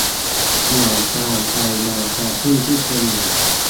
เหมือนการไปงานปาร์ตี้ที่คนอื่น